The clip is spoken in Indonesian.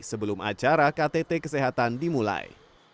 secara ktt kesehatan dimulai